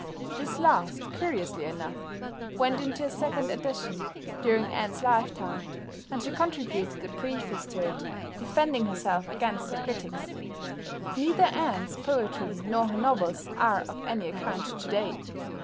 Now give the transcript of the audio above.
This last, curiously enough, went into a second edition during Anne's lifetime, and she contributed a preface to it defending herself against her critics. Neither Anne's poetry nor her novels are of any account to day.